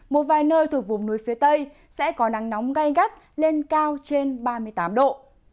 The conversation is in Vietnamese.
một vài nơi thuộc vùng núi phía tây sẽ có nắng nóng gai gắt lên cao trên ba mươi tám độ